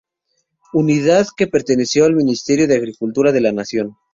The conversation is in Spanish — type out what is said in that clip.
Unidad que perteneció al Ministerio de Agricultura de la Nación.